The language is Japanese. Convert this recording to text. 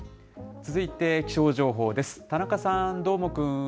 続いて気象情報です。